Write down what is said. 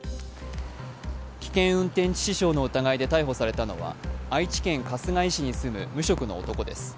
危険運転致死傷の疑いで逮捕されたのは愛知県春日井市に住む無職の男です。